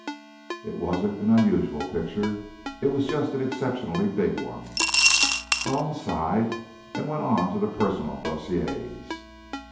It wasn't an unusual picture; it was just an exceptionally big one. Malone sighed and went on to the personal dossiers.